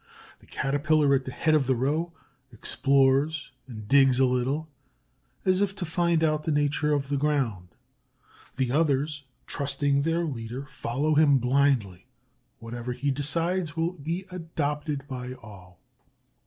The Caterpillar at the head of the row explores, and digs a little, as if to find out the nature of the ground. The others, trusting their leader, follow him blindly. Whatever he decides will be adopted by all.